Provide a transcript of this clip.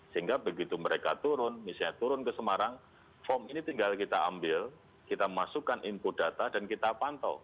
sehingga begitu mereka turun misalnya turun ke semarang form ini tinggal kita ambil kita masukkan input data dan kita pantau